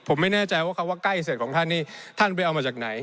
ผมไม่แน่ใจว่าคำว่าใกล้เสร็จของท่านนี่ท่านไปเอามาจากไหน